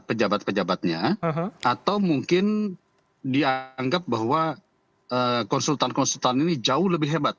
pejabat pejabatnya atau mungkin dianggap bahwa konsultan konsultan ini jauh lebih hebat